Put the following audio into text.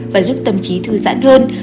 và giúp tâm trí thư giãn hơn